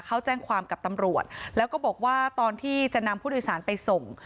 เขาแจ้งความกับตำรวจแล้วก็บอกว่าตอนที่จะนำผู้โดยสารไปส่ง